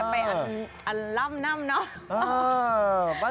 เป็นตัวไปอันน้ำเนาะ